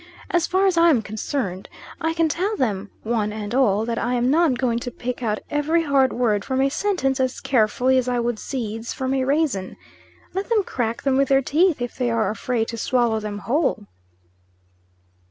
As far as I am concerned, I can tell them, one and all, that I am not going to pick out every hard word from a sentence as carefully as I would seeds from a raisin. Let them crack them with their teeth, if they are afraid to swallow them whole."